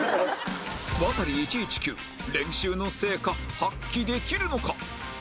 ワタリ１１９練習の成果発揮できるのか？